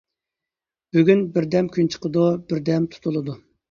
بۈگۈن بىردەم كۈن چىقىدۇ، بىردەم تۇتۇلىدۇ.